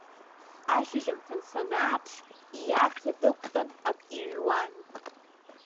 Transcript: Ашьыжьымҭан санааԥш ииарҭа дықәтәан ак иҩуан.